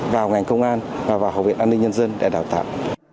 vào ngành công an và vào học viện an ninh nhân dân để đào tạo